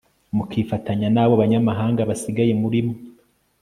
mukifatanya n'abo banyamahanga basigaye muri mwe